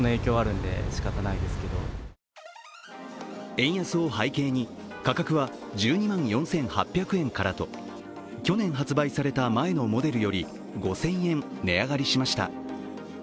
円安を背景に、価格は１２万４８００円からと去年発売された前のモデルより５０００円値上がりしました。